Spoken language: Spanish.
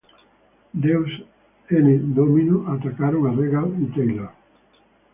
Deuce 'N Domino atacaron a Regal and Taylor.